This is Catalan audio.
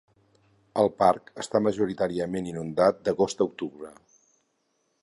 El parc està majoritàriament inundat d'agost a octubre.